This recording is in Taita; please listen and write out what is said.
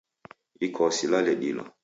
Ikwau silale dilo.